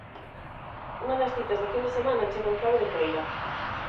Unha das citas da fin de semana chega en clave de feira.